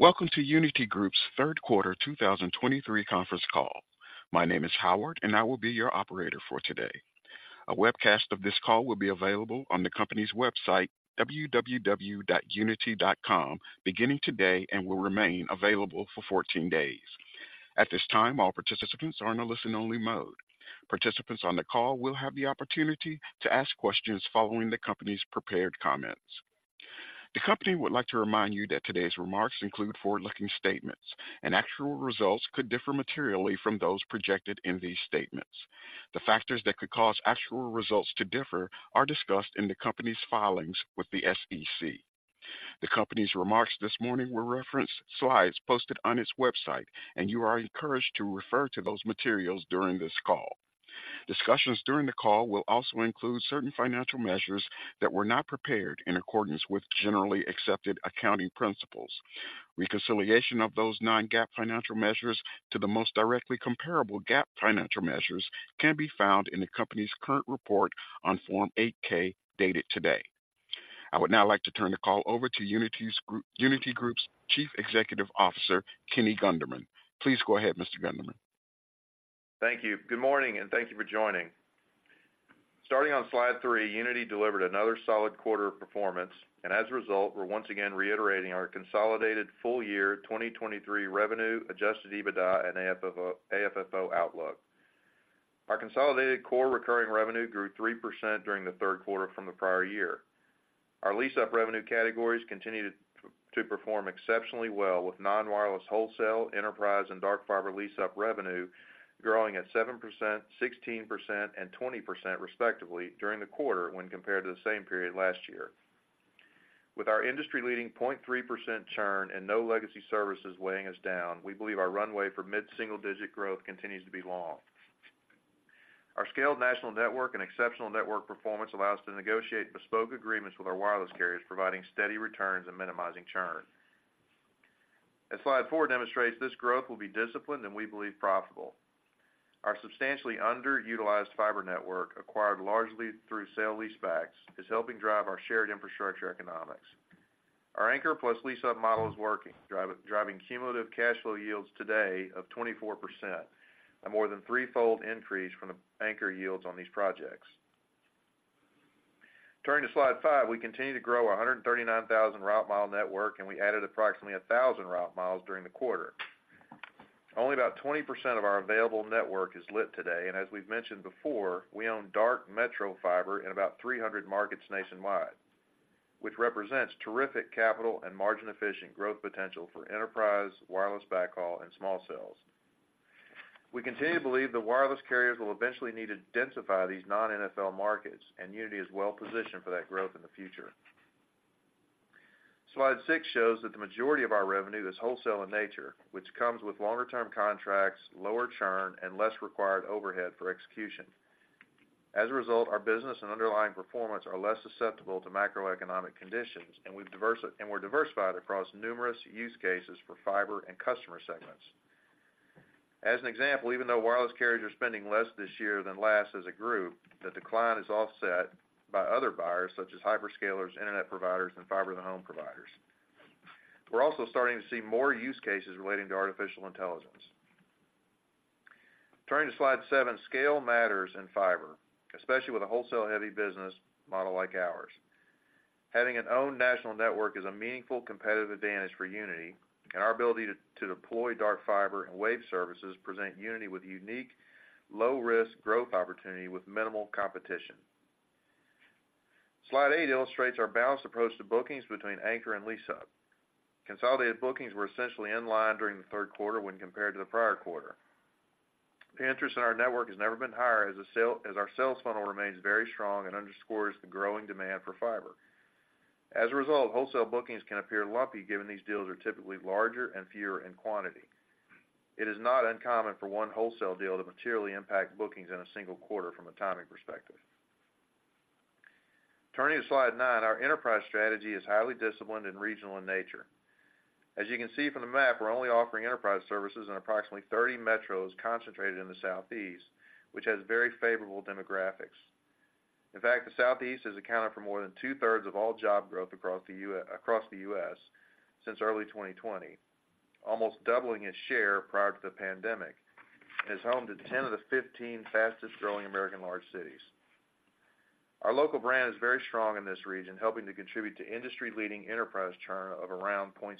Welcome to Uniti Group's third quarter 2023 conference call. My name is Howard, and I will be your operator for today. A webcast of this call will be available on the company's website, www.uniti.com, beginning today and will remain available for 14 days. At this time, all participants are in a listen-only mode. Participants on the call will have the opportunity to ask questions following the company's prepared comments. The company would like to remind you that today's remarks include forward-looking statements, and actual results could differ materially from those projected in these statements. The factors that could cause actual results to differ are discussed in the company's filings with the SEC. The company's remarks this morning will reference slides posted on its website, and you are encouraged to refer to those materials during this call. Discussions during the call will also include certain financial measures that were not prepared in accordance with generally accepted accounting principles. Reconciliation of those non-GAAP financial measures to the most directly comparable GAAP financial measures can be found in the company's current report on Form 8-K, dated today. I would now like to turn the call over to Uniti Group's Chief Executive Officer, Kenny Gunderman. Please go ahead, Mr. Gunderman. Thank you. Good morning, and thank you for joining. Starting on slide three, Uniti delivered another solid quarter of performance, and as a result, we're once again reiterating our consolidated full-year 2023 revenue, adjusted EBITDA, and AFFO outlook. Our consolidated core recurring revenue grew 3% during the third quarter from the prior-year. Our lease-up revenue categories continued to perform exceptionally well, with non-wireless wholesale, enterprise, and dark fiber lease-up revenue growing at 7%, 16%, and 20%, respectively, during the quarter when compared to the same period last year. With our industry-leading 0.3% churn and no legacy services weighing us down, we believe our runway for mid-single-digit growth continues to be long. Our scaled national network and exceptional network performance allow us to negotiate bespoke agreements with our wireless carriers, providing steady returns and minimizing churn. As slide four demonstrates, this growth will be disciplined and we believe profitable. Our substantially underutilized fiber network, acquired largely through sale leasebacks, is helping drive our shared infrastructure economics. Our Anchor Plus Lease-Up Model is working, driving cumulative cash flow yields today of 24%, a more than threefold increase from the anchor yields on these projects. Turning to slide five, we continue to grow our 139,000 route mile network, and we added approximately 1,000 route miles during the quarter. Only about 20% of our available network is lit today, and as we've mentioned before, we own dark metro fiber in about 300 markets nationwide, which represents terrific capital and margin-efficient growth potential for enterprise, wireless backhaul, and small cells. We continue to believe that wireless carriers will eventually need to densify these non-NFL markets, and Uniti is well positioned for that growth in the future. Slide six shows that the majority of our revenue is wholesale in nature, which comes with longer-term contracts, lower churn, and less required overhead for execution. As a result, our business and underlying performance are less susceptible to macroeconomic conditions, and we're diversified across numerous use cases for fiber and customer segments. As an example, even though wireless carriers are spending less this year than last as a group, the decline is offset by other buyers such as hyperscalers, internet providers, and fiber-to-the-home providers. We're also starting to see more use cases relating to artificial intelligence. Turning to slide seven, scale matters in fiber, especially with a wholesale-heavy business model like ours. Having an owned national network is a meaningful competitive advantage for Uniti, and our ability to, to deploy Dark Fiber and Wave Services present Uniti with unique, low-risk growth opportunity with minimal competition. Slide eight illustrates our balanced approach to bookings between anchor and lease-up. Consolidated bookings were essentially in line during the third quarter when compared to the prior quarter. The interest in our network has never been higher as the sale, as our sales funnel remains very strong and underscores the growing demand for fiber. As a result, wholesale bookings can appear lumpy, given these deals are typically larger and fewer in quantity. It is not uncommon for one wholesale deal to materially impact bookings in a single quarter from a timing perspective. Turning to slide nine, our enterprise strategy is highly disciplined and regional in nature. As you can see from the map, we're only offering enterprise services in approximately 30 metros concentrated in the Southeast, which has very favorable demographics. In fact, the Southeast has accounted for more than 2/3 of all job growth across the U.S. since early 2020, almost doubling its share prior to the pandemic, and is home to 10 of the 15 fastest-growing American large cities. Our local brand is very strong in this region, helping to contribute to industry-leading enterprise churn of around 0.7%.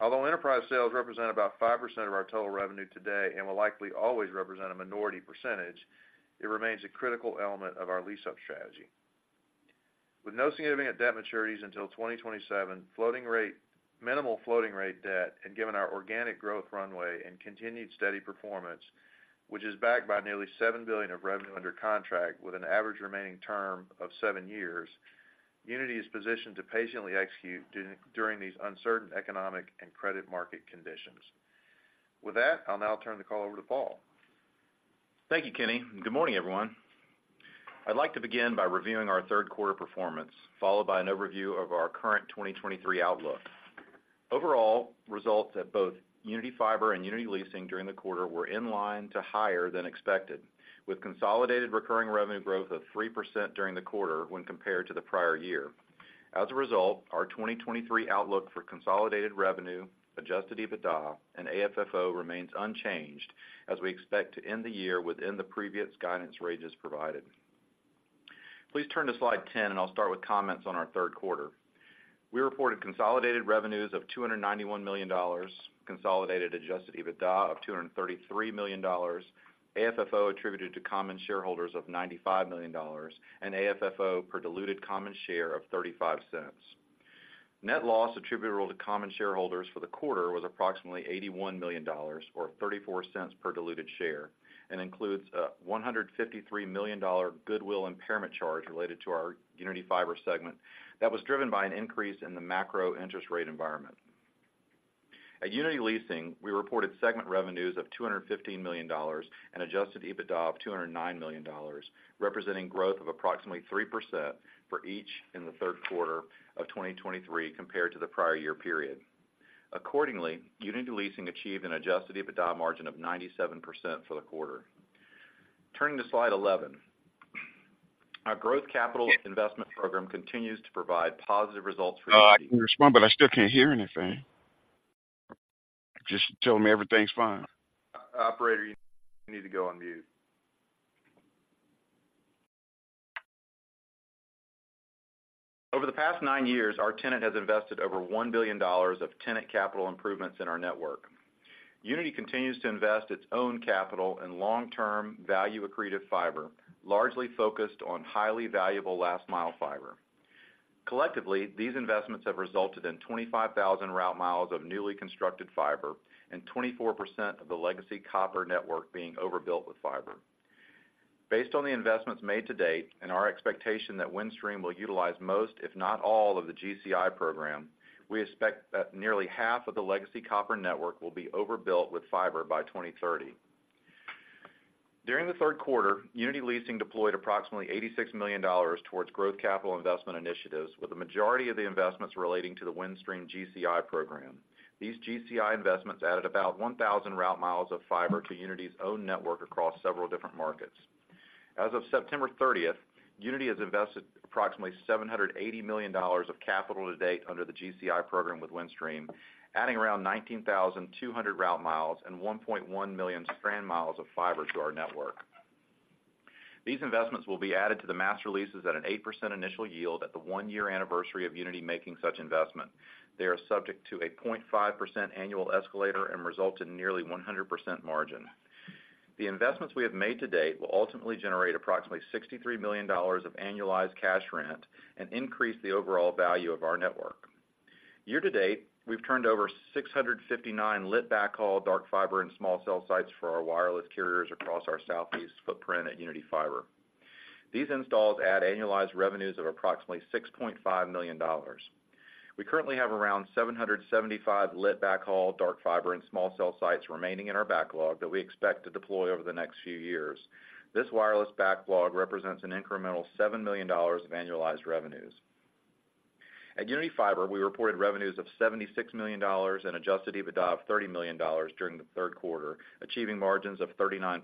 Although enterprise sales represent about 5% of our total revenue today and will likely always represent a minority percentage, it remains a critical element of our lease-up strategy. With no significant debt maturities until 2027, floating rate, minimal floating rate debt, and given our organic growth runway and continued steady performance, which is backed by nearly $7 billion of revenue under contract with an average remaining term of seven years, Uniti is positioned to patiently execute during these uncertain economic and credit market conditions. With that, I'll now turn the call over to Paul. Thank you, Kenny. Good morning, everyone. I'd like to begin by reviewing our third quarter performance, followed by an overview of our current 2023 outlook.... Overall, results at both Uniti Fiber and Uniti Leasing during the quarter were in line to higher than expected, with consolidated recurring revenue growth of 3% during the quarter when compared to the prior-year. As a result, our 2023 outlook for consolidated revenue, adjusted EBITDA, and AFFO remains unchanged, as we expect to end the year within the previous guidance ranges provided. Please turn to slide 10, and I'll start with comments on our third quarter. We reported consolidated revenues of $291 million, consolidated adjusted EBITDA of $233 million, AFFO attributed to common shareholders of $95 million, and AFFO per diluted common share of $0.35. Net loss attributable to common shareholders for the quarter was approximately $81 million, or 0.34 per diluted share, and includes a $153 million goodwill impairment charge related to our Uniti Fiber segment that was driven by an increase in the macro interest rate environment. At Uniti Leasing, we reported segment revenues of $215 million and adjusted EBITDA of $209 million, representing growth of approximately 3% for each in the third quarter of 2023 compared to the prior-year period. Accordingly, Uniti Leasing achieved an adjusted EBITDA margin of 97% for the quarter. Turning to slide 11. Our growth capital investment program continues to provide positive results for- I can respond, but I still can't hear anything. Just telling me everything's fine. Operator, you need to go on mute. Over the past nine years, our tenant has invested over $1 billion of tenant capital improvements in our network. Uniti continues to invest its own capital in long-term, value-accretive fiber, largely focused on highly valuable last-mile fiber. Collectively, these investments have resulted in 25,000 route miles of newly constructed fiber and 24% of the legacy copper network being overbuilt with fiber. Based on the investments made to date and our expectation that Windstream will utilize most, if not all, of the GCI program, we expect that nearly half of the legacy copper network will be overbuilt with fiber by 2030. During the third quarter, Uniti Leasing deployed approximately $86 million towards growth capital investment initiatives, with the majority of the investments relating to the Windstream GCI program. These GCI investments added about 1,000 route miles of fiber to Uniti's own network across several different markets. As of September 30th, Uniti has invested approximately $780 million of capital to date under the GCI program with Windstream, adding around 19,200 route miles and 1.1 million strand miles of fiber to our network. These investments will be added to the master leases at an 8% initial yield at the one-year anniversary of Uniti making such investment. They are subject to a 0.5% annual escalator and result in nearly 100% margin. The investments we have made to date will ultimately generate approximately $63 million of annualized cash rent and increase the overall value of our network. Year-to-date, we've turned over 659 lit backhaul, dark fiber, and small cell sites for our wireless carriers across our Southeast footprint at Uniti Fiber. These installs add annualized revenues of approximately $6.5 million. We currently have around 775 lit backhaul, dark fiber, and small cell sites remaining in our backlog that we expect to deploy over the next few years. This wireless backlog represents an incremental $7 million of annualized revenues. At Uniti Fiber, we reported revenues of $76 million and adjusted EBITDA of $30 million during the third quarter, achieving margins of 39%.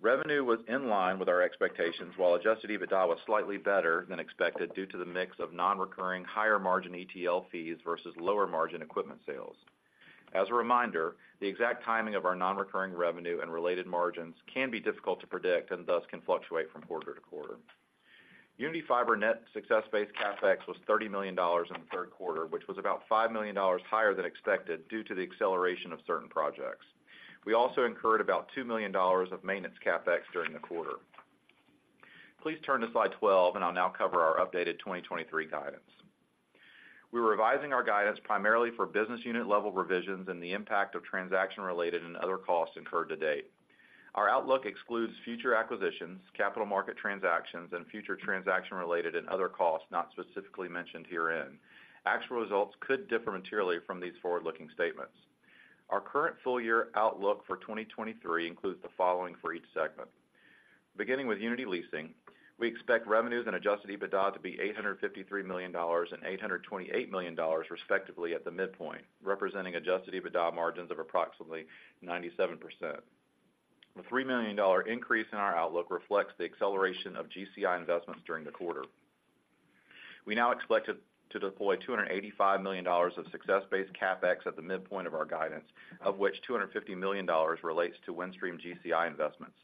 Revenue was in line with our expectations, while adjusted EBITDA was slightly better than expected due to the mix of non-recurring, higher-margin ETL fees versus lower-margin equipment sales. As a reminder, the exact timing of our non-recurring revenue and related margins can be difficult to predict and thus can fluctuate fromquarter-to-quarter. Uniti Fiber net success-based CapEx was $30 million in the third quarter, which was about $5 million higher than expected due to the acceleration of certain projects. We also incurred about $2 million of maintenance CapEx during the quarter. Please turn to slide 12, and I'll now cover our updated 2023 guidance. We're revising our guidance primarily for business unit-level revisions and the impact of transaction-related and other costs incurred to date. Our outlook excludes future acquisitions, capital market transactions, and future transaction-related and other costs not specifically mentioned herein. Actual results could differ materially from these forward-looking statements. Our current full-year outlook for 2023 includes the following for each segment. Beginning with Uniti Leasing, we expect revenues and adjusted EBITDA to be $853 million and $828 million, respectively, at the midpoint, representing adjusted EBITDA margins of approximately 97%. The $3 million increase in our outlook reflects the acceleration of GCI investments during the quarter. We now expect to deploy $285 million of success-based CapEx at the midpoint of our guidance, of which $250 million relates to Windstream GCI investments.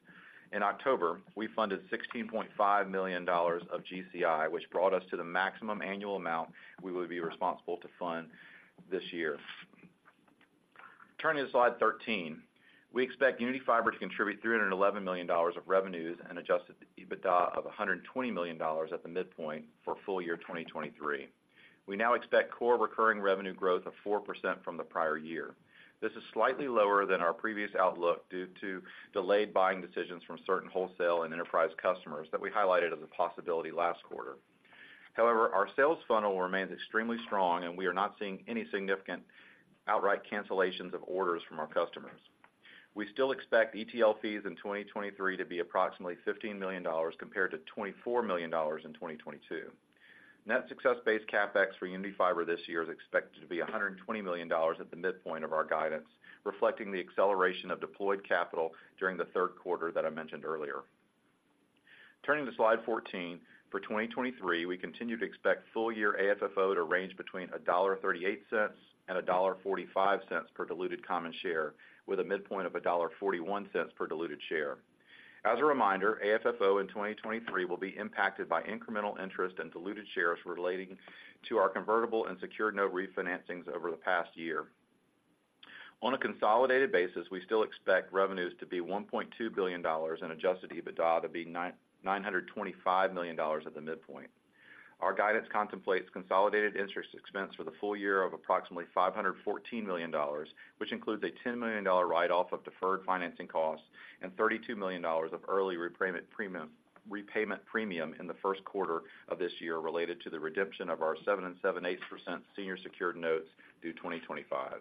In October, we funded $16.5 million of GCI, which brought us to the maximum annual amount we would be responsible to fund this year. Turning to slide 13. We expect Uniti Fiber to contribute $311 million of revenues and Adjusted EBITDA of $120 million at the midpoint for full-year 2023. We now expect core recurring revenue growth of 4% from the prior-year. This is slightly lower than our previous outlook due to delayed buying decisions from certain wholesale and enterprise customers that we highlighted as a possibility last quarter. However, our sales funnel remains extremely strong, and we are not seeing any significant outright cancellations of orders from our customers.... We still expect ETL fees in 2023 to be approximately $15 million compared to $24 million in 2022. Net success-based CapEx for Uniti Fiber this year is expected to be $120 million at the midpoint of our guidance, reflecting the acceleration of deployed capital during the third quarter that I mentioned earlier. Turning to slide 14, for 2023, we continue to expect full-year AFFO to range between $1.38 and $1.45 per diluted common share, with a midpoint of $1.41 per diluted share. As a reminder, AFFO in 2023 will be impacted by incremental interest and diluted shares relating to our convertible and secured note refinancings over the past year. On a consolidated basis, we still expect revenues to be $1.2 billion and Adjusted EBITDA to be $925 million at the midpoint. Our guidance contemplates consolidated interest expense for the full-year of approximately $514 million, which includes a $10 million write-off of deferred financing costs and $32 million of early repayment premium, repayment premium in the first quarter of this year related to the redemption of our 7 7, 8% senior secured notes due 2025.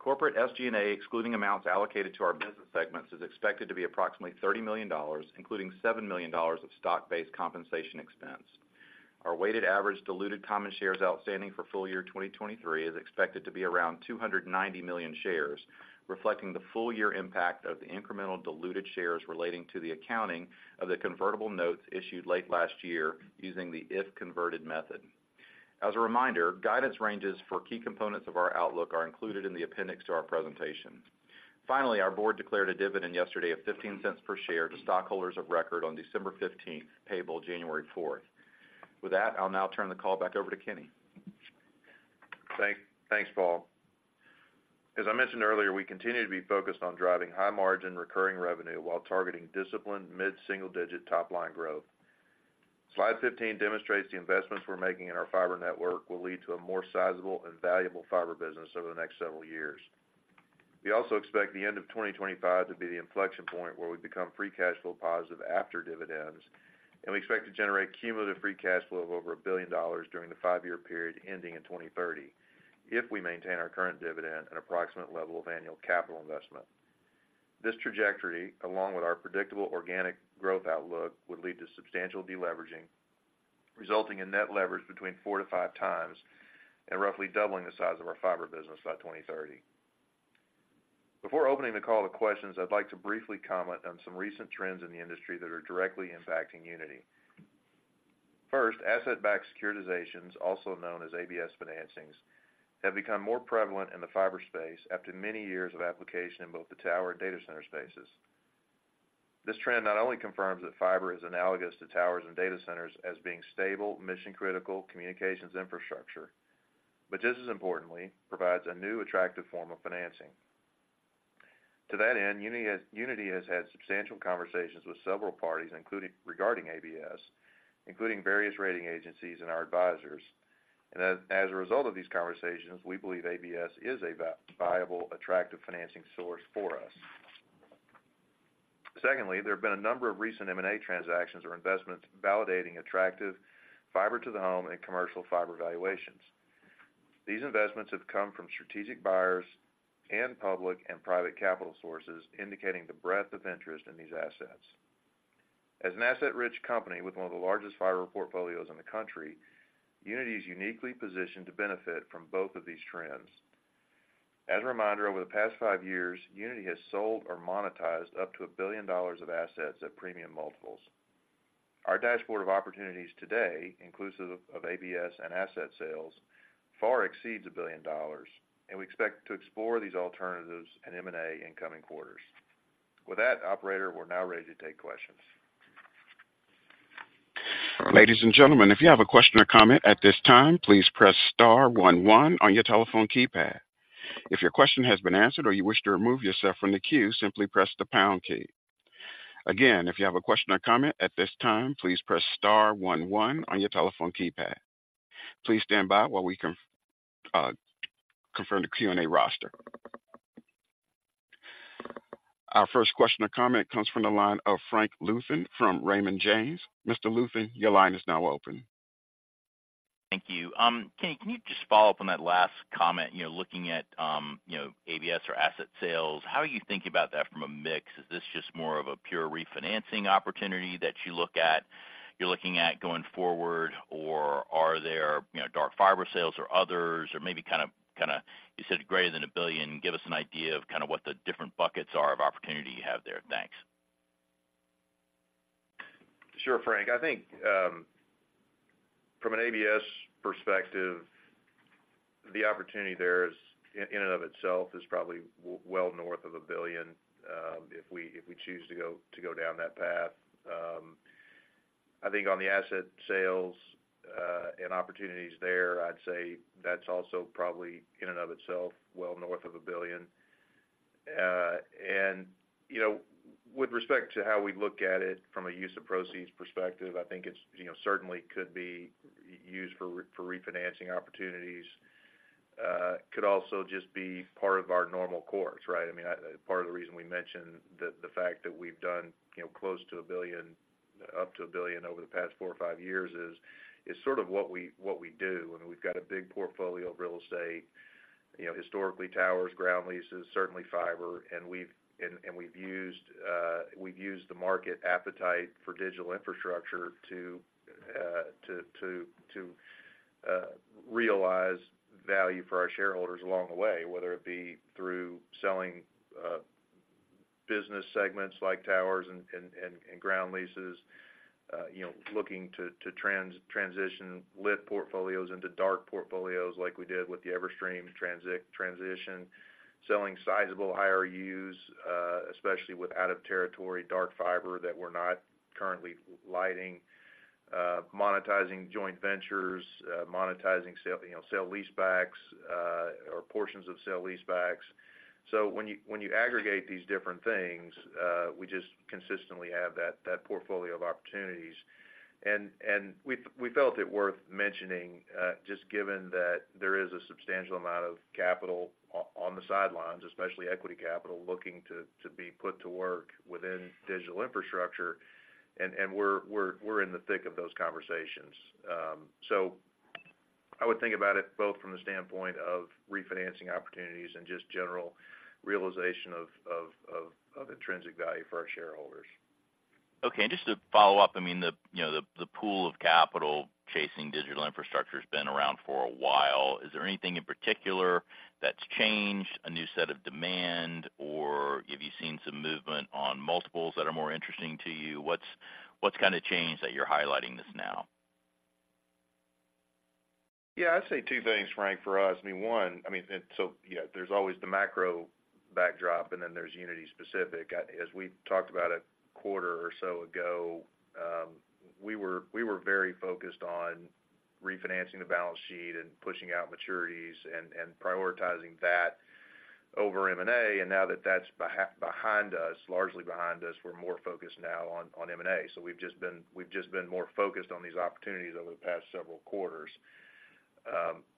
Corporate SG&A, excluding amounts allocated to our business segments, is expected to be approximately $30 million, including $7 million of stock-based compensation expense. Our weighted average diluted common shares outstanding for full-year 2023 is expected to be around 290 million shares, reflecting the full-year impact of the incremental diluted shares relating to the accounting of the convertible notes issued late last year using the if converted method. As a reminder, guidance ranges for key components of our outlook are included in the appendix to our presentation. Finally, our board declared a dividend yesterday of $0.15 per share to stockholders of record on December 15th, payable January 4th. With that, I'll now turn the call back over to Kenny. Thanks, Paul. As I mentioned earlier, we continue to be focused on driving high-margin recurring revenue while targeting disciplined mid-single-digit top-line growth. Slide 15 demonstrates the investments we're making in our fiber network will lead to a more sizable and valuable fiber business over the next several years. We also expect the end of 2025 to be the inflection point where we become free cash flow positive after dividends, and we expect to generate cumulative free cash flow of over $1 billion during the five-year period ending in 2030, if we maintain our current dividend and approximate level of annual capital investment. This trajectory, along with our predictable organic growth outlook, would lead to substantial deleveraging, resulting in net leverage between 4-5x and roughly doubling the size of our fiber business by 2030. Before opening the call to questions, I'd like to briefly comment on some recent trends in the industry that are directly impacting Uniti. First, asset-backed securitizations, also known as ABS financings, have become more prevalent in the fiber space after many years of application in both the tower and data center spaces. This trend not only confirms that fiber is analogous to towers and data centers as being stable, mission-critical communications infrastructure, but just as importantly, provides a new, attractive form of financing. To that end, Uniti has had substantial conversations with several parties, including regarding ABS, including various rating agencies and our advisors. As a result of these conversations, we believe ABS is a viable, attractive financing source for us. Secondly, there have been a number of recent M&A transactions or investments validating attractive fiber to the home and commercial fiber valuations. These investments have come from strategic buyers and public and private capital sources, indicating the breadth of interest in these assets. As an asset-rich company with one of the largest fiber portfolios in the country, Uniti is uniquely positioned to benefit from both of these trends. As a reminder, over the past five years, Uniti has sold or monetized up to $1 billion of assets at premium multiples. Our dashboard of opportunities today, inclusive of ABS and asset sales, far exceeds $1 billion, and we expect to explore these alternatives and M&A in coming quarters. With that, operator, we're now ready to take questions. Ladies and gentlemen, if you have a question or comment at this time, please press star one one on your telephone keypad. If your question has been answered or you wish to remove yourself from the queue, simply press the pound key. Again, if you have a question or comment at this time, please press star one one on your telephone keypad. Please stand by while we confirm the Q&A roster. Our first question or comment comes from the line of Frank Louthan from Raymond James. Mr. Louthan, your line is now open. Thank you. Kenny, can you just follow up on that last comment, you know, looking at, you know, ABS or asset sales, how are you thinking about that from a mix? Is this just more of a pure refinancing opportunity that you look at- you're looking at going forward, or are there, you know, dark fiber sales or others, or maybe kind of, kind of... You said greater than $1 billion. Give us an idea of kind of what the different buckets are of opportunity you have there. Thanks. Sure, Frank. I think, from an ABS perspective, the opportunity there is, in and of itself, is probably well north of $1 billion, if we, if we choose to go, to go down that path. I think on the asset sales, and opportunities there, I'd say that's also probably, in and of itself, well north of $1 billion. And, you know, with respect to how we look at it from a use of proceeds perspective, I think it's, you know, certainly could be used for refinancing opportunities, could also just be part of our normal course, right? I mean, part of the reason we mentioned the fact that we've done, you know, close to $1 billion, up to $1 billion over the past four or five years is sort of what we do, and we've got a big portfolio of real estate.... You know, historically, towers, ground leases, certainly fiber, and we've used the market appetite for digital infrastructure to realize value for our shareholders along the way, whether it be through selling business segments like towers and ground leases, you know, looking to transition lit portfolios into dark portfolios like we did with the Everstream transition, selling sizable IRUs, especially with out of territory dark fiber that we're not currently lighting, monetizing joint ventures, monetizing sale, you know, sale leasebacks, or portions of sale leasebacks. So when you aggregate these different things, we just consistently have that portfolio of opportunities. We felt it worth mentioning, just given that there is a substantial amount of capital on the sidelines, especially equity capital, looking to be put to work within digital infrastructure, and we're in the thick of those conversations. So I would think about it both from the standpoint of refinancing opportunities and just general realization of intrinsic value for our shareholders. Okay. And just to follow up, I mean, the, you know, the pool of capital chasing digital infrastructure has been around for a while. Is there anything in particular that's changed, a new set of demand, or have you seen some movement on multiples that are more interesting to you? What's kind of changed that you're highlighting this now? Yeah, I'd say two things, Frank, for us. I mean, one, I mean, and so, you know, there's always the macro backdrop, and then there's Uniti specific. As we talked about a quarter or so ago, we were very focused on refinancing the balance sheet and pushing out maturities and prioritizing that over M&A. And now that that's behind us, largely behind us, we're more focused now on M&A. So we've just been more focused on these opportunities over the past several quarters.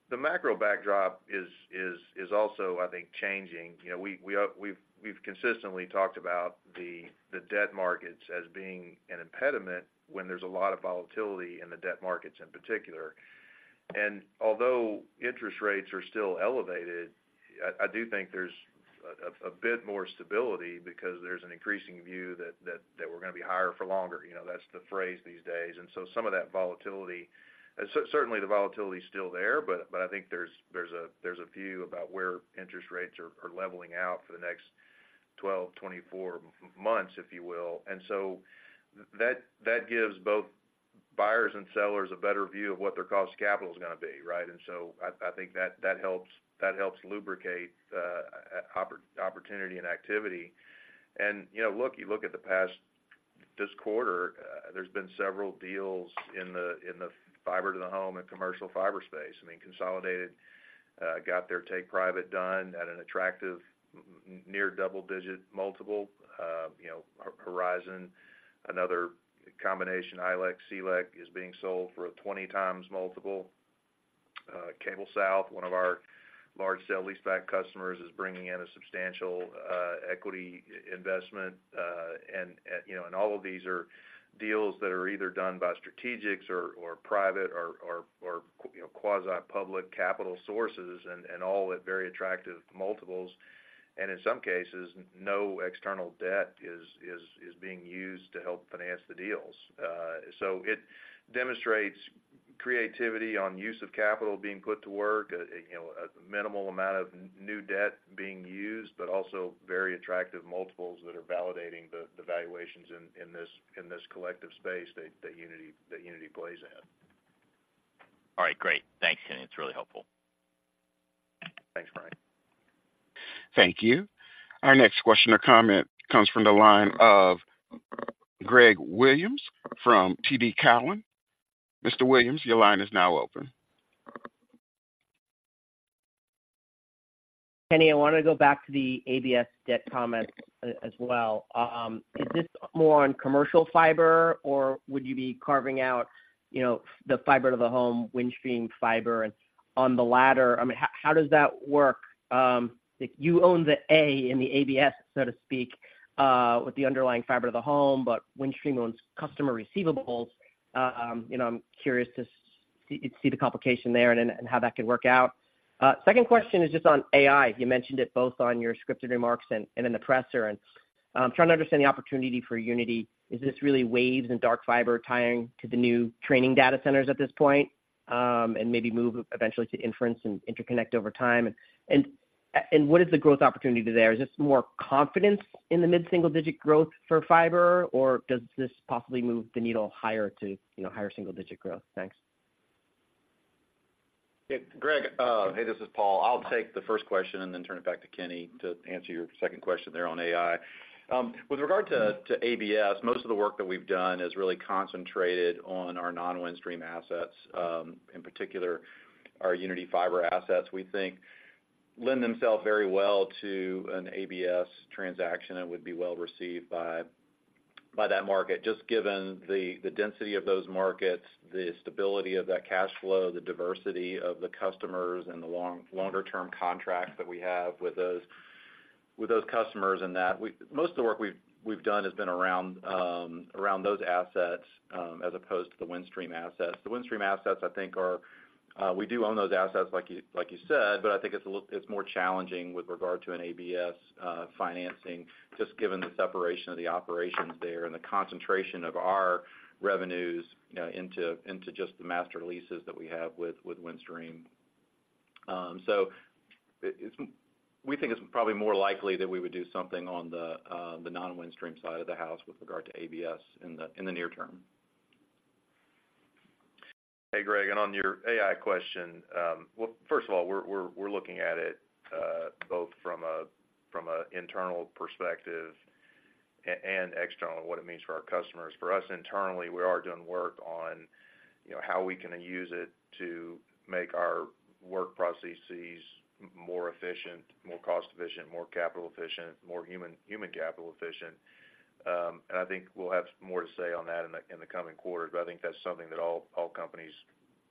The macro backdrop is also, I think, changing. You know, we've consistently talked about the debt markets as being an impediment when there's a lot of volatility in the debt markets in particular. Although interest rates are still elevated, I do think there's a bit more stability because there's an increasing view that we're gonna be higher for longer. You know, that's the phrase these days. So some of that volatility. Certainly, the volatility is still there, but I think there's a view about where interest rates are leveling out for the next 12, 24 months, if you will. So that gives both buyers and sellers a better view of what their cost of capital is gonna be, right? So I think that helps lubricate opportunity and activity. And you know, look, you look at the past this quarter, there's been several deals in the fiber to the home and commercial fiber space. I mean, Consolidated got their take private done at an attractive near double-digit multiple. You know, Horizon, another combination, ILEC, CLEC, is being sold for a 20x multiple. CableSouth, one of our large sale leaseback customers, is bringing in a substantial equity investment, and, you know, and all of these are deals that are either done by strategics or private or quasi-public capital sources and all at very attractive multiples. And in some cases, no external debt is being used to help finance the deals. So it demonstrates creativity on use of capital being put to work, you know, a minimal amount of new debt being used, but also very attractive multiples that are validating the valuations in this collective space that Uniti plays in. All right, great. Thanks, Kenny. It's really helpful. Thanks, Frank. Thank you. Our next question or comment comes from the line of Greg Williams from TD Cowen. Mr. Williams, your line is now open. Kenny, I want to go back to the ABS debt comment as well. Is this more on commercial fiber, or would you be carving out, you know, the fiber to the home, Windstream fiber? On the latter, I mean, how does that work? If you own the A in the ABS, so to speak, with the underlying fiber to the home, but Windstream owns customer receivables, you know, I'm curious to see the complication there and how that could work out. Second question is just on AI. You mentioned it both on your scripted remarks and in the presser. I'm trying to understand the opportunity for Uniti. Is this really waves and dark fiber tying to the new training data centers at this point, and maybe move eventually to inference and interconnect over time? What is the growth opportunity there? Is this more confidence in the mid-single digit growth for fiber, or does this possibly move the needle higher to, you know, higher single digit growth? Thanks. Yeah, Greg, hey, this is Paul. I'll take the first question and then turn it back to Kenny to answer your second question there on AI. With regard to, to ABS, most of the work that we've done is really concentrated on our non-Windstream assets, in particular, our Uniti Fiber assets, we think lend themselves very well to an ABS transaction and would be well received by, by that market, just given the, the density of those markets, the stability of that cash flow, the diversity of the customers, and the longer-term contracts that we have with those.... with those customers and that, we, most of the work we've, we've done has been around, around those assets, as opposed to the Windstream assets. The Windstream assets, I think, are. We do own those assets like you, like you said, but I think it's a little—it's more challenging with regard to an ABS financing, just given the separation of the operations there and the concentration of our revenues, you know, into, into just the master leases that we have with, with Windstream. So it, it's, we think it's probably more likely that we would do something on the, the non-Windstream side of the house with regard to ABS in the, in the near term. Hey, Greg, and on your AI question, well, first of all, we're, we're, we're looking at it, both from a, from a internal perspective and external, what it means for our customers. For us, internally, we are doing work on, you know, how we can use it to make our work processes more efficient, more cost-efficient, more capital efficient, more human capital efficient. And I think we'll have more to say on that in the coming quarters, but I think that's something that all companies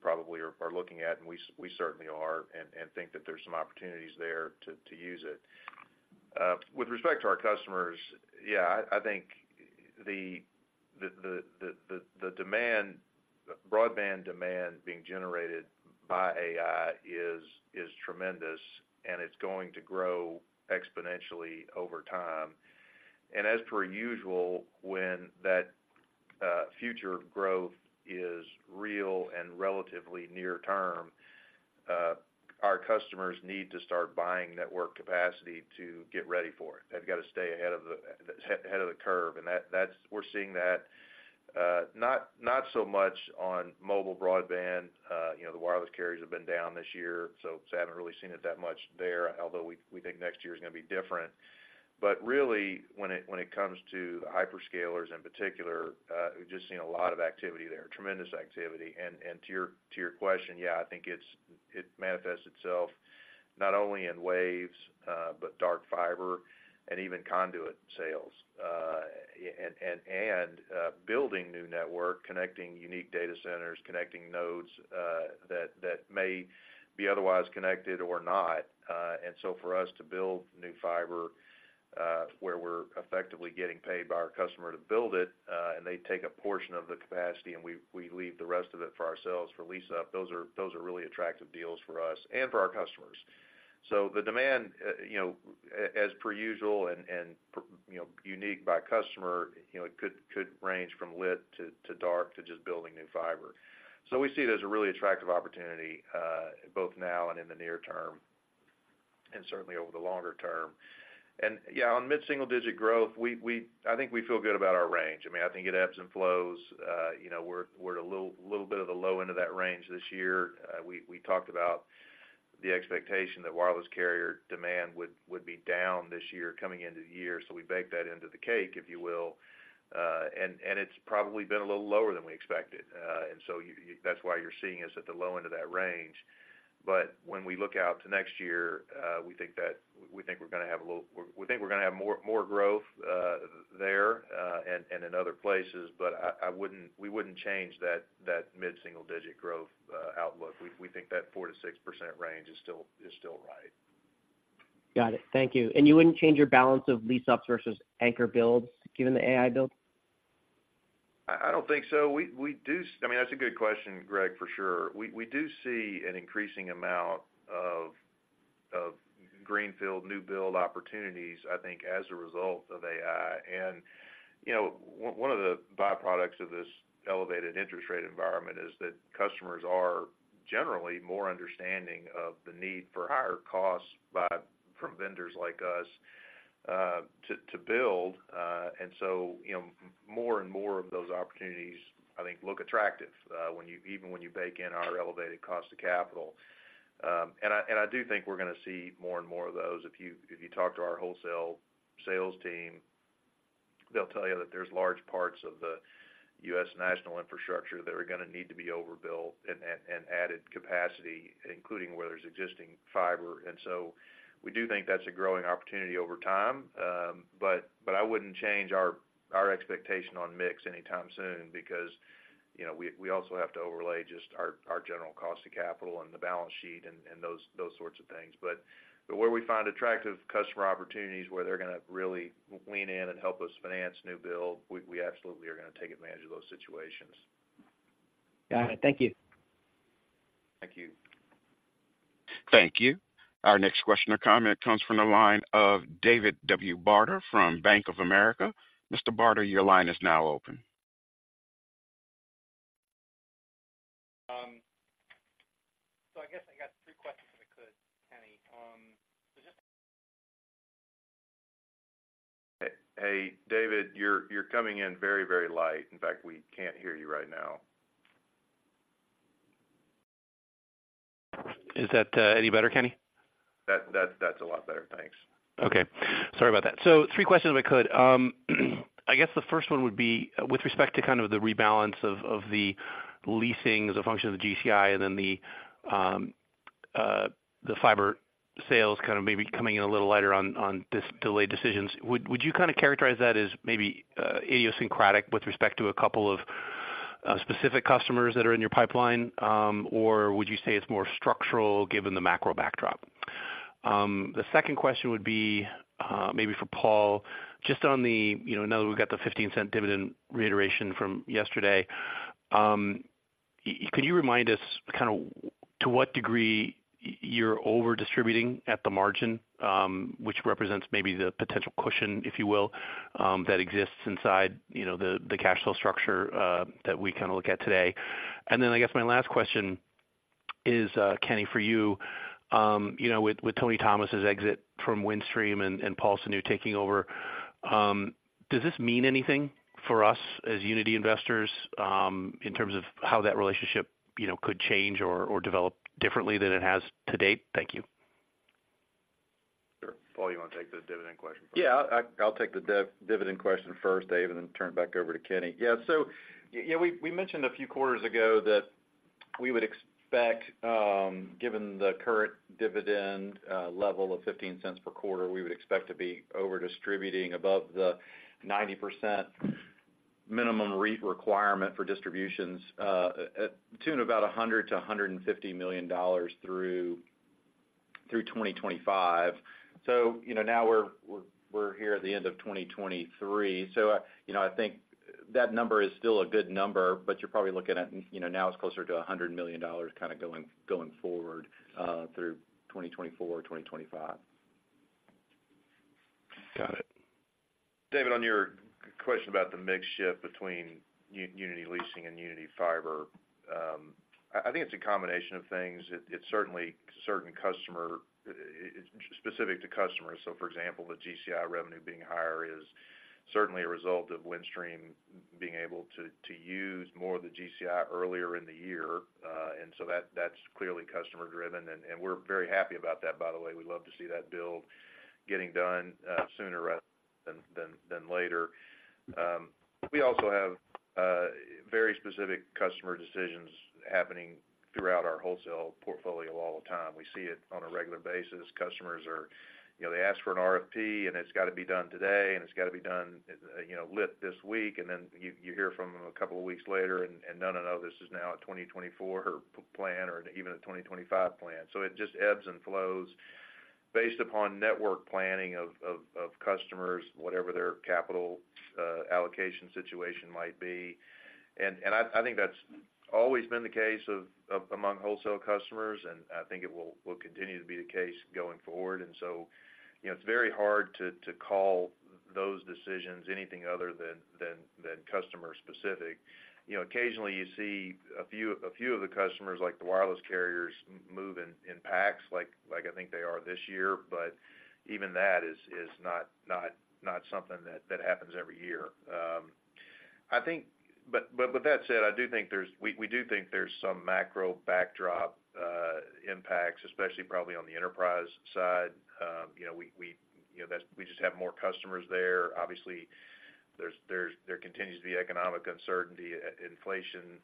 probably are looking at, and we certainly are and think that there's some opportunities there to use it. With respect to our customers, yeah, I think the broadband demand being generated by AI is tremendous, and it's going to grow exponentially over time. As per usual, when that future growth is real and relatively near term, our customers need to start buying network capacity to get ready for it. They've got to stay ahead of the curve, and that's we're seeing that not so much on mobile broadband. You know, the wireless carriers have been down this year, so I haven't really seen it that much there, although we think next year is gonna be different. But really, when it comes to the hyperscalers in particular, we've just seen a lot of activity there, tremendous activity. And to your question, yeah, I think it manifests itself not only in waves, but dark fiber and even conduit sales, and building new network, connecting unique data centers, connecting nodes, that may be otherwise connected or not. And so for us to build new fiber, where we're effectively getting paid by our customer to build it, and they take a portion of the capacity, and we leave the rest of it for ourselves for lease up, those are really attractive deals for us and for our customers. So the demand, you know, as per usual and, you know, unique by customer, you know, it could range from lit to dark, to just building new fiber. So we see it as a really attractive opportunity, both now and in the near term, and certainly over the longer term. And, yeah, on mid-single-digit growth, we feel good about our range. I mean, I think it ebbs and flows. You know, we're at a little bit of the low end of that range this year. We talked about the expectation that wireless carrier demand would be down this year, coming into the year, so we baked that into the cake, if you will. And it's probably been a little lower than we expected. And so you—that's why you're seeing us at the low end of that range. But when we look out to next year, we think we're gonna have a little—we think we're gonna have more growth there and in other places, but I wouldn't—we wouldn't change that mid-single digit growth outlook. We think that 4%-6% range is still right. Got it. Thank you. And you wouldn't change your balance of lease-ups versus anchor builds, given the AI build? I don't think so. We do—I mean, that's a good question, Greg, for sure. We do see an increasing amount of greenfield new build opportunities, I think, as a result of AI. And, you know, one of the byproducts of this elevated interest rate environment is that customers are generally more understanding of the need for higher costs by, from vendors like us, to build. And so, you know, more and more of those opportunities, I think, look attractive, when you even when you bake in our elevated cost of capital. And I do think we're gonna see more and more of those. If you, if you talk to our wholesale sales team, they'll tell you that there's large parts of the U.S. national infrastructure that are gonna need to be overbuilt and added capacity, including where there's existing fiber. And so we do think that's a growing opportunity over time. But I wouldn't change our expectation on mix anytime soon because, you know, we also have to overlay just our general cost of capital and the balance sheet and those sorts of things. But where we find attractive customer opportunities, where they're gonna really lean in and help us finance new build, we absolutely are gonna take advantage of those situations. Got it. Thank you. Thank you. Thank you. Our next question or comment comes from the line of David W. Barden from Bank of America. Mr. Barden, your line is now open. So I guess I got three questions, if I could, Kenny. So just- Hey, hey, David, you're, you're coming in very, very light. In fact, we can't hear you right now. Is that any better, Kenny? That's a lot better. Thanks. Okay. Sorry about that. So three questions, if I could. I guess the first one would be with respect to kind of the rebalance of the leasing as a function of the GCI and then the fiber sales kind of maybe coming in a little lighter on this delayed decisions. Would you kind of characterize that as maybe idiosyncratic with respect to a couple of specific customers that are in your pipeline, or would you say it's more structural given the macro backdrop? The second question would be, maybe for Paul, just on the, you know, now that we've got the $0.15 dividend reiteration from yesterday, could you remind us kind of to what degree you're over distributing at the margin, which represents maybe the potential cushion, if you will, that exists inside, you know, the cash flow structure that we kind of look at today. And then I guess my last question is, Kenny, for you. You know, with Tony Thomas' exit from Windstream and Paul Sunu taking over, does this mean anything for us as Uniti investors, in terms of how that relationship, you know, could change or develop differently than it has to date? Thank you. Sure. Paul, you want to take the dividend question first? Yeah, I'll take the dividend question first, Dave, and then turn it back over to Kenny. Yeah, so, we mentioned a few quarters ago that we would expect, given the current dividend level of $0.15 per quarter, we would expect to be over distributing above the 90% minimum REIT requirement for distributions, to about $100 million-$150 million through 2025. So, you know, now we're here at the end of 2023. So, you know, I think that number is still a good number, but you're probably looking at, you know, now it's closer to $100 million kind of going forward through 2024, 2025. Got it. David, on your question about the mix shift between Uniti Leasing and Uniti Fiber, I think it's a combination of things. It's certainly customer-specific to customers. So for example, the GCI revenue being higher is certainly a result of Windstream being able to use more of the GCI earlier in the year. And so that's clearly customer driven, and we're very happy about that, by the way. We love to see that build getting done sooner rather than later. We also have very specific customer decisions happening throughout our wholesale portfolio all the time. We see it on a regular basis. Customers are, you know, they ask for an RFP, and it's got to be done today, and it's got to be done, you know, lit this week, and then you hear from them a couple of weeks later, and, and no, no, no, this is now a 2024 plan or even a 2025 plan. So it just ebbs and flows based upon network planning of customers, whatever their capital allocation situation might be. And I think that's always been the case among wholesale customers, and I think it will continue to be the case going forward. And so, you know, it's very hard to call those decisions anything other than customer specific. You know, occasionally you see a few of the customers, like the wireless carriers, move in packs, like I think they are this year. But even that is not something that happens every year. I think—but with that said, I do think there's—we do think there's some macro backdrop impacts, especially probably on the enterprise side. You know, we, you know, that's—we just have more customers there. Obviously, there's there continues to be economic uncertainty, inflation,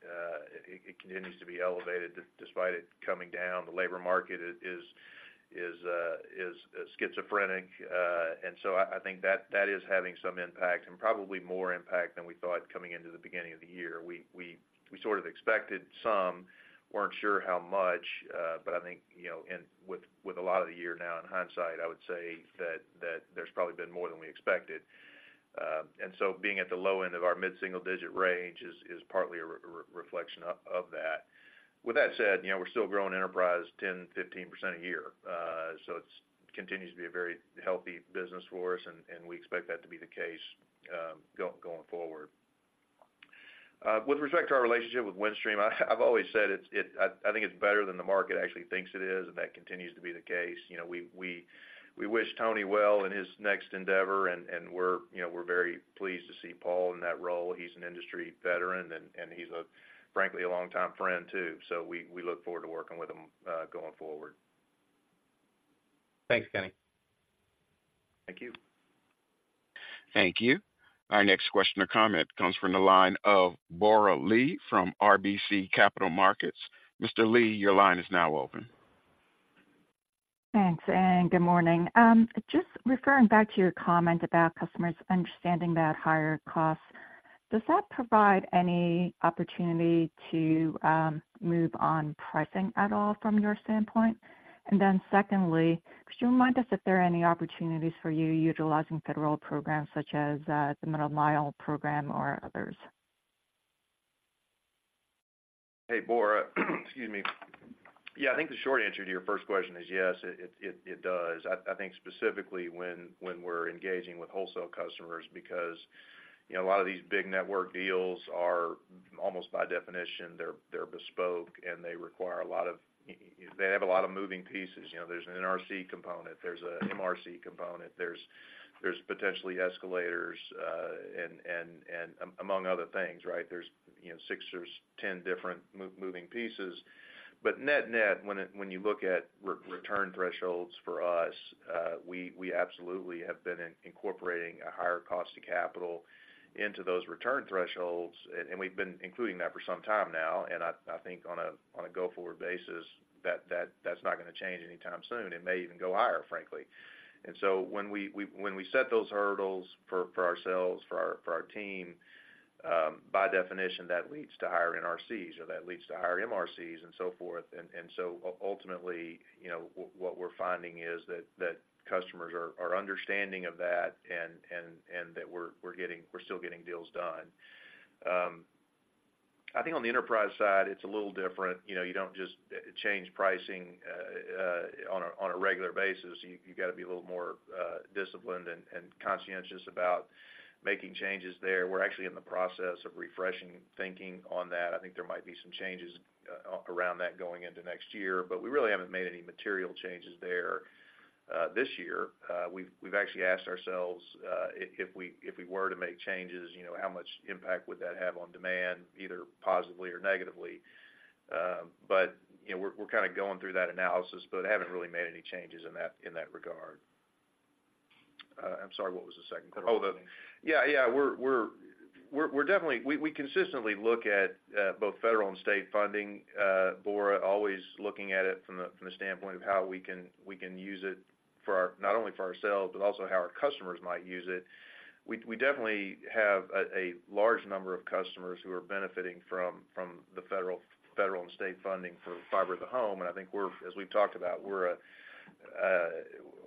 it continues to be elevated, despite it coming down. The labor market is schizophrenic, and so I think that is having some impact and probably more impact than we thought coming into the beginning of the year. We sort of expected some, weren't sure how much, but I think, you know, and with a lot of the year now in hindsight, I would say that there's probably been more than we expected. And so being at the low end of our mid-single digit range is partly a reflection of that. With that said, you know, we're still growing enterprise 10%-15% a year. So it continues to be a very healthy business for us, and we expect that to be the case going forward. With respect to our relationship with Windstream, I've always said it's. I think it's better than the market actually thinks it is, and that continues to be the case. You know, we wish Tony well in his next endeavor, and we're, you know, very pleased to see Paul in that role. He's an industry veteran, and he's, frankly, a longtime friend, too. So we look forward to working with him going forward. Thanks, Kenny. Thank you. Thank you. Our next question or comment comes from the line of Bora Lee from RBC Capital Markets. Mr. Li, your line is now open. Thanks, and good morning. Just referring back to your comment about customers understanding that higher costs, does that provide any opportunity to move on pricing at all from your standpoint? And then secondly, could you remind us if there are any opportunities for you utilizing federal programs such as the Middle Mile program or others? Hey, Bora. Excuse me. Yeah, I think the short answer to your first question is yes, it does. I think specifically when we're engaging with wholesale customers, because, you know, a lot of these big network deals are almost by definition, they're bespoke, and they require a lot of. They have a lot of moving pieces. You know, there's an NRC component, there's a MRC component, there's potentially escalators, and among other things, right? There's, you know, six, there's 10 different moving pieces. But net-net, when you look at return thresholds for us, we absolutely have been incorporating a higher cost to capital into those return thresholds, and we've been including that for some time now. And I think on a go-forward basis, that's not going to change anytime soon. It may even go higher, frankly. And so when we set those hurdles for ourselves, for our team, by definition, that leads to higher NRCs or that leads to higher MRCs and so forth. And so ultimately, you know, what we're finding is that customers are understanding of that, and that we're getting, we're still getting deals done. I think on the enterprise side, it's a little different. You know, you don't just change pricing on a regular basis. You gotta be a little more disciplined and conscientious about making changes there. We're actually in the process of refreshing thinking on that. I think there might be some changes around that going into next year, but we really haven't made any material changes there this year. We've actually asked ourselves if we were to make changes, you know, how much impact would that have on demand, either positively or negatively? But you know, we're kind of going through that analysis, but haven't really made any changes in that regard. I'm sorry, what was the second question? Oh, the... Yeah, yeah, we're definitely, we consistently look at both federal and state funding, Bora, always looking at it from the standpoint of how we can use it for our, not only for ourselves, but also how our customers might use it. We definitely have a large number of customers who are benefiting from the federal and state funding for fiber to the home. And I think we're, as we've talked about, we're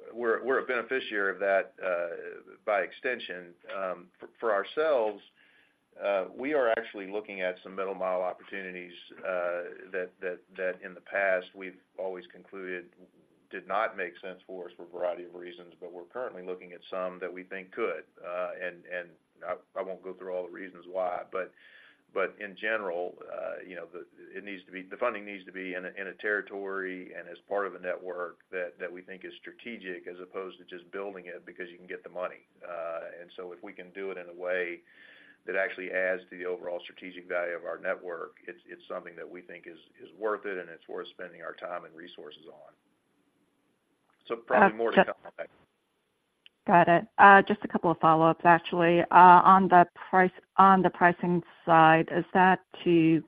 a beneficiary of that by extension. For ourselves, we are actually looking at some middle-mile opportunities that in the past, we've always concluded did not make sense for us for a variety of reasons, but we're currently looking at some that we think could. And I won't go through all the reasons why, but in general, you know, it needs to be the funding needs to be in a territory and as part of a network that we think is strategic, as opposed to just building it because you can get the money. And so if we can do it in a way that actually adds to the overall strategic value of our network, it's something that we think is worth it, and it's worth spending our time and resources on. So probably more to come on that. Got it. Just a couple of follow-ups, actually. On the pricing side, is that to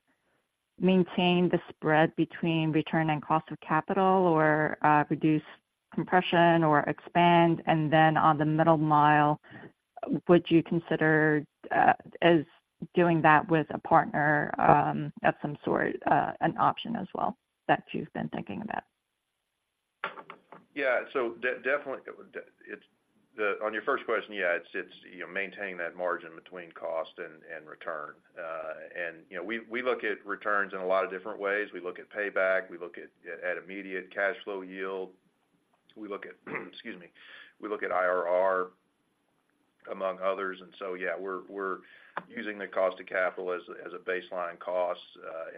maintain the spread between return and cost of capital or reduce compression or expand? And then on the middle mile, would you consider as doing that with a partner of some sort an option as well, that you've been thinking about? Yeah. So definitely, it's the—on your first question, yeah, it's, it's, you know, maintaining that margin between cost and return. And, you know, we, we look at returns in a lot of different ways. We look at payback, we look at immediate cash flow yield, we look at, excuse me, we look at IRR, among others. And so, yeah, we're, we're using the cost of capital as a, as a baseline cost,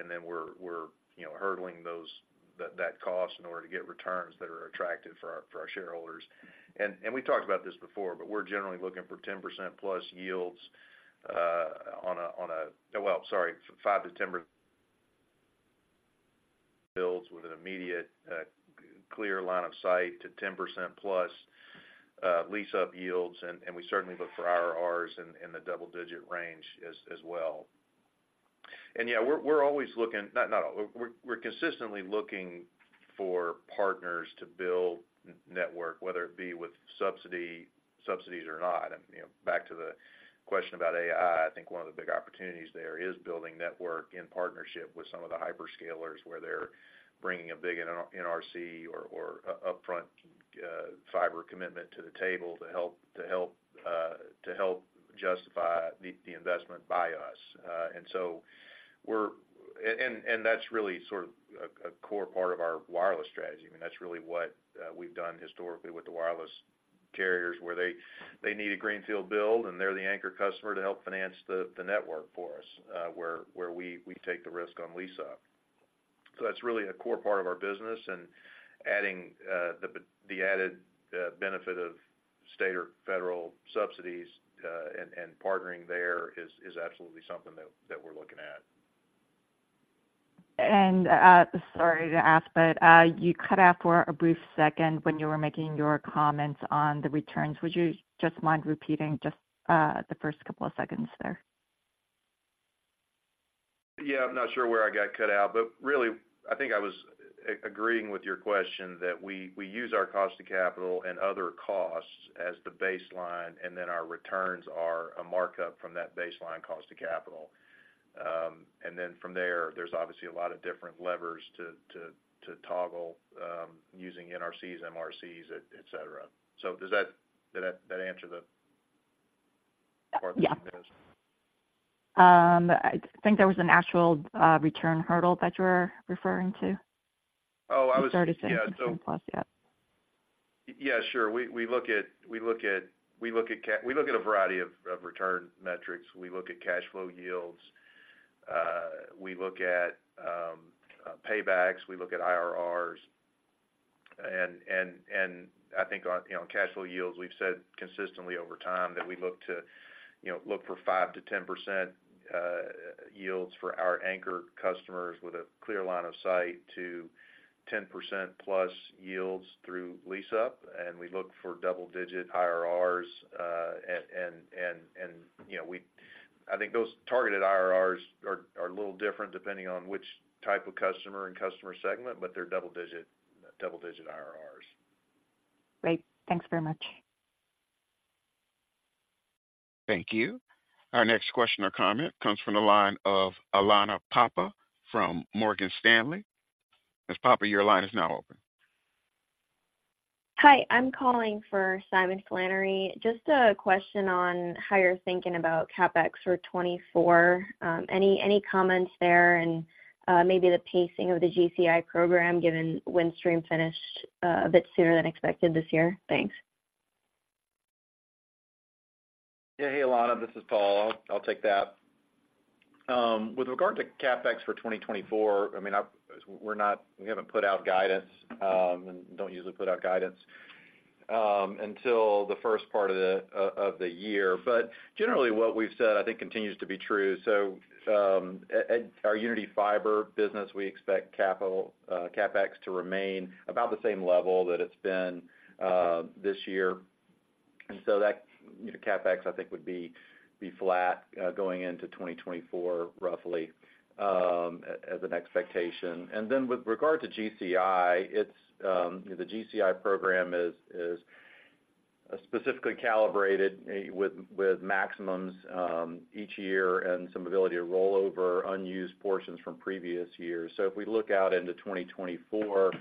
and then we're, we're, you know, hurdling those, that, that cost in order to get returns that are attractive for our, for our shareholders. And, and we talked about this before, but we're generally looking for 10%+ yields, on a, on a... Well, sorry, 5%-10% yields with an immediate clear line of sight to 10%+ lease-up yields, and we certainly look for IRRs in the double-digit range as well. And yeah, we're always looking, we're consistently looking for partners to build network, whether it be with subsidies or not. And, you know, back to the question about AI, I think one of the big opportunities there is building network in partnership with some of the hyperscalers, where they're bringing a big NRC or upfront fiber commitment to the table to help justify the investment by us. And so that's really sort of a core part of our wireless strategy. I mean, that's really what we've done historically with the wireless carriers, where they need a greenfield build, and they're the anchor customer to help finance the network for us, where we take the risk on lease-up. So that's really a core part of our business, and adding the added benefit of state or federal subsidies and partnering there is absolutely something that we're looking at. Sorry to ask, but you cut out for a brief second when you were making your comments on the returns. Would you just mind repeating just the first couple of seconds there? Yeah, I'm not sure where I got cut out, but really, I think I was agreeing with your question that we use our cost of capital and other costs as the baseline, and then our returns are a markup from that baseline cost of capital. And then from there, there's obviously a lot of different levers to toggle using NRCs, MRCs, et cetera. So does that answer the part that you asked? Yeah. I think there was an actual return hurdle that you were referring to. Oh, I was- You started saying 10%+, yeah. Yeah, sure. We look at a variety of return metrics. We look at cash flow yields, we look at paybacks, we look at IRRs. I think on, you know, on cash flow yields, we've said consistently over time that we look to, you know, look for 5%-10% yields for our anchor customers with a clear line of sight to 10%+ yields through lease-up, and we look for double-digit IRRs. You know, I think those targeted IRRs are a little different, depending on which type of customer and customer segment, but they're double-digit, double-digit IRRs.... Great. Thanks very much. Thank you. Our next question or comment comes from the line of Alana Papa from Morgan Stanley. Ms. Papa, your line is now open. Hi, I'm calling for Simon Flannery. Just a question on how you're thinking about CapEx for 2024. Any comments there and maybe the pacing of the GCI program, given Windstream finished a bit sooner than expected this year? Thanks. Yeah. Hey, Alana, this is Paul. I'll take that. With regard to CapEx for 2024, I mean, we're not—we haven't put out guidance, and don't usually put out guidance until the first part of the year. But generally, what we've said, I think, continues to be true. So, at our Uniti Fiber business, we expect capital CapEx to remain about the same level that it's been this year. And so that, you know, CapEx, I think, would be flat going into 2024, roughly, as an expectation. And then with regard to GCI, it's the GCI program is specifically calibrated with maximums each year and some ability to roll over unused portions from previous years. So if we look out into 2024,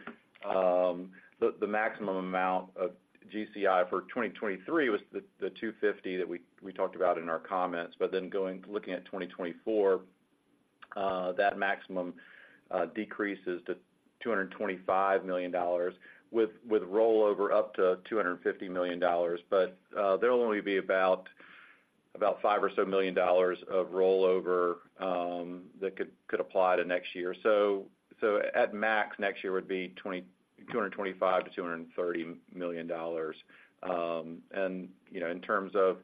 the maximum amount of GCI for 2023 was the 250 that we talked about in our comments. But then going, looking at 2024, that maximum decreases to $225 million, with rollover up to $250 million. But there will only be about five or so million dollars of rollover that could apply to next year. So at max, next year would be $225 million-$230 million. And you know, in terms of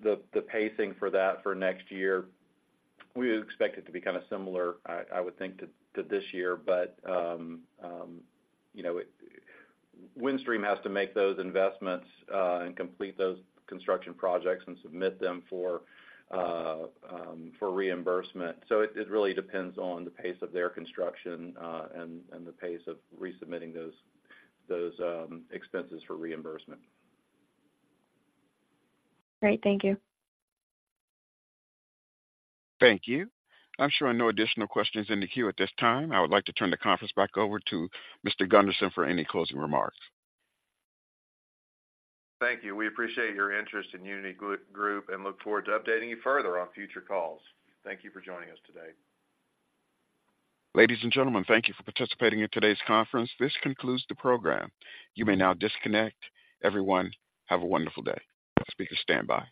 the pacing for that for next year, we expect it to be kind of similar, I would think, to this year. You know, Windstream has to make those investments and complete those construction projects and submit them for reimbursement. So it really depends on the pace of their construction and the pace of resubmitting those expenses for reimbursement. Great. Thank you. Thank you. I'm showing no additional questions in the queue at this time. I would like to turn the conference back over to Mr. Gunderman for any closing remarks. Thank you. We appreciate your interest in Uniti Group and look forward to updating you further on future calls. Thank you for joining us today. Ladies and gentlemen, thank you for participating in today's conference. This concludes the program. You may now disconnect. Everyone, have a wonderful day. Speakers, standby.